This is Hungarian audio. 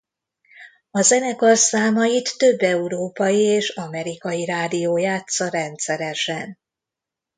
A zenekar számait több európai és amerikai rádió játssza rendszeresen.